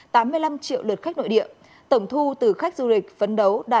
tám mươi năm triệu lượt khách nội địa tổng thu từ khách du lịch phấn đấu đạt bảy trăm linh tỷ đồng